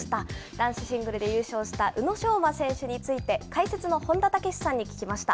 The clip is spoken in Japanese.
男子シングルで優勝した宇野昌磨選手について、解説の本田武史さんに聞きました。